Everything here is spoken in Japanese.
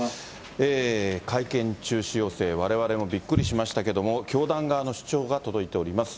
会見中止要請、われわれもびっくりしましたけれども、教団側の主張が届いております。